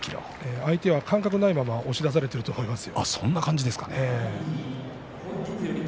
相手は感覚がないままに押し出されていると思いますよ。